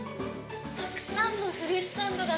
たくさんのフルーツサンドが